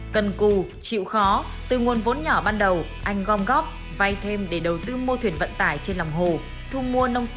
cần cù chịu khó từ nguồn vốn nhỏ ban đầu anh gom góp vay thêm để đầu tư mua thuyền vận tải trên lòng hồ